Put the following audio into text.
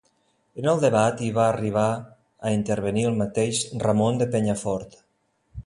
En el debat, hi va arribar a intervenir el mateix Ramon de Penyafort.